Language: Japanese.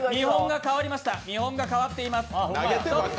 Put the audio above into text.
見本が変わっています。